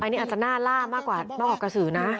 อันนี้อาจจะน่าร่ามากกว่าเก้าออกกระสืรนะ